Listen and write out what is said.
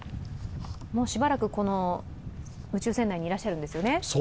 しばらく宇宙船内にいらっしゃるんですよね？